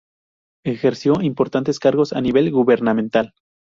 Ejerció importantes cargos a nivel gubernamental.